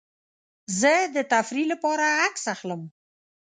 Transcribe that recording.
زه د تفریح لپاره عکس اخلم.